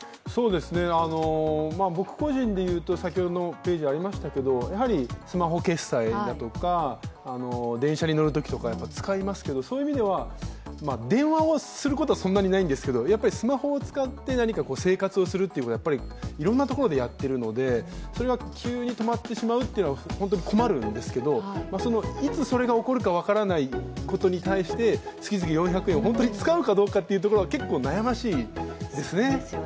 僕個人でもスマホ決済とか電車に乗るときとか使いますけど、そういう意味では、電話をすることはそんなにないんですけど、スマホを使って何か生活をするということは、いろんなところでやっているのでそれが急に止まってしまうのは本当に困るんですけど、いつ、それが起こるか分からないことに対して、月々４００円を本当に使うかどうかは、結構悩ましいですね。